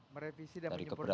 merevisi dan menyempurnakan